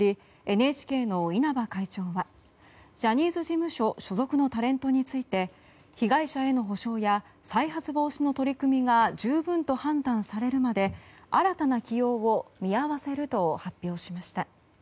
ＮＨＫの稲葉会長はジャニーズ事務所所属のタレントについて被害者への補償や再発防止の取り組みが十分と判断されるまで新たな起用を見合わせると発表しました。